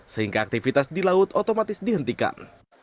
sehingga aktivitas di laut otomatis dihentikan